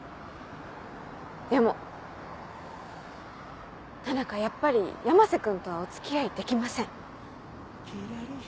でも田中やっぱり山瀬君とはお付き合いできません。